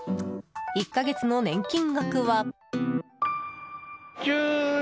１か月の年金額は。